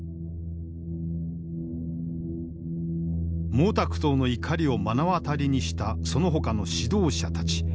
毛沢東の怒りを目の当たりにしたそのほかの指導者たち。